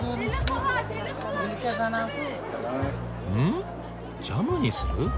んジャムにする？